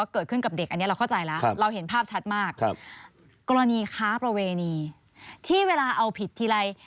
กรณีค้าประเวณีที่เวลาเอาผิดที่ไร